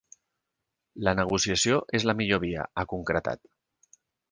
La negociació és la millor via, ha concretat.